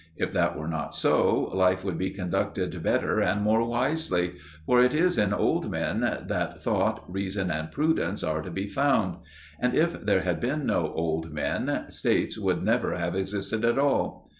If that were not so, life would be conducted better and more wisely; for it is in old men that thought, reason, and prudence are to be found; and if there had been no old men, States would never have existed at all.